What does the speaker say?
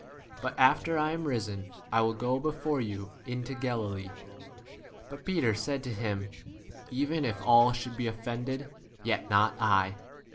But after I am risen, I will go before you into 29 Galilee. But Peter said to him, Even if all should be offiended, w 30 yet not I.